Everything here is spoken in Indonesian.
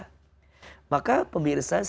dan yang berpanggilan untuk meneraikan ibadah puasa